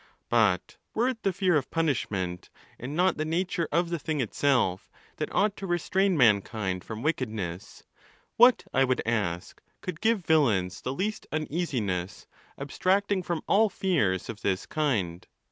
But were it the fear of punishment, and not the nature of the thing itself, that ought to restrain mankind from wicked ness, what, I would ask, could give villains the least uneasi ness, abstracting from all fears of this kind?